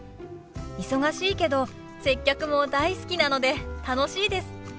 忙しいけど接客も大好きなので楽しいです。